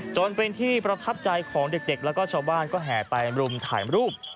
จนเป็นที่ประทับใจของเด็กแล้วก็ชาวบ้านก็แห่ไปรุมถ่ายรูป